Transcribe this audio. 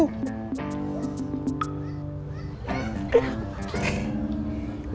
kan yang kenal lu